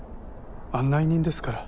案内人ですから。